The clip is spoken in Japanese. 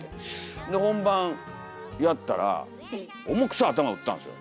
で本番やったらおもくそ頭打ったんすよ。